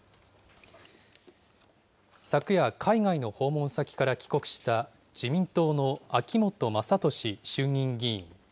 昨夜、海外の訪問先から帰国した自民党の秋本真利衆議院議員。